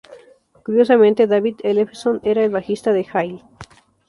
Curiosamente, David Ellefson era el bajista de Hail!